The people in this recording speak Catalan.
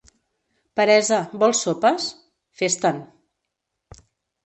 Peresa, vols sopes? —Fes-te'n.